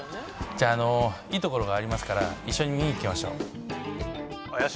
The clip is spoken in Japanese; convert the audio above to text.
じゃああのいい所がありますから一緒に見に行きましょう。